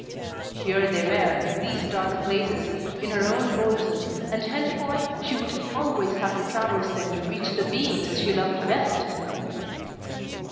Here they were, these dark places, in her own bosom, and henceforth she would always have to traverse them to reach the beings she loved best!